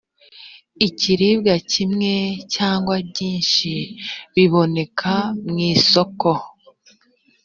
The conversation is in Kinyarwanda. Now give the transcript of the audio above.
ikiribwa kimwe cyangwa byinshi biboneka mu isoko